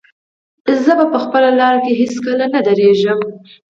زه به په خپله لاره کې هېڅکله نه درېږم.